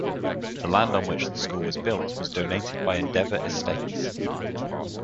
The land on which the school was built was donated by Endeavour estates.